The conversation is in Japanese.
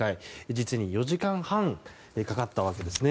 実に４時間半かかったわけですね。